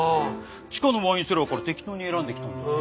地下のワインセラーから適当に選んできたんですけど。